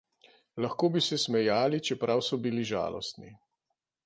Lahko bi se smejali, čeprav so bili žalostni.